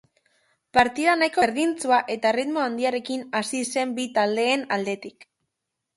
Partida nahiko berdindua eta erritmo handiarekin hasi zen bi taldeen aldetik.